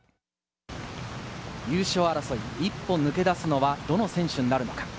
優勝争いを一歩抜け出すのはどの選手なのか？